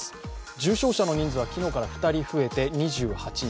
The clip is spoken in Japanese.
重症者の人数は昨日から２人増えて２８人。